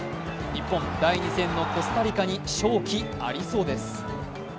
日本、第２戦のコスタリカに勝機ありそうです。